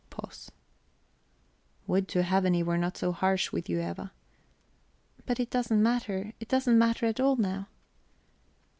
Pause. "Would to Heaven he were not so harsh with you, Eva." "But it doesn't matter. It doesn't matter at all now."